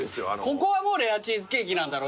ここはもうレアチーズケーキなんだろ？